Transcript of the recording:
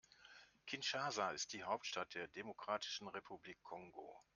Kinshasa ist die Hauptstadt der Demokratischen Republik Kongo.